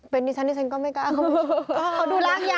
เป็นดิฉันดิฉันก็ไม่กล้าเข้ามาเขาดูร่างใหญ่อ่ะ